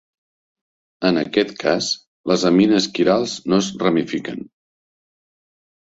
En aquest cas, les amines quirals no es ramifiquen.